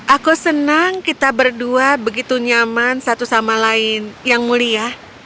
aku senang kita berdua begitu nyaman satu sama lain yang mulia